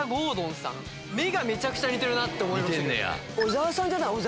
目がめちゃくちゃ似てるって思いました。